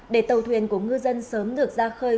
để tàu thuyền của ngư dân sớm được ra khơi